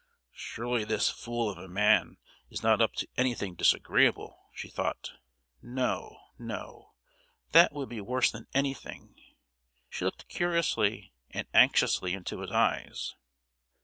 "Surely this fool of a man is not up to anything disagreeable!" she thought. "No, no! that would be worse than anything!" She looked curiously and anxiously into his eyes.